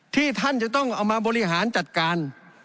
ที่ท่านจะต้องเอามาบริหารจัดการ